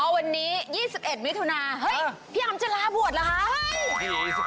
อ๋อวันนี้๒๑มิถุนาเฮ่ยพี่อัมจะลาบวชเหรอฮ้ย